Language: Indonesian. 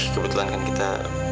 kebetulan kan kita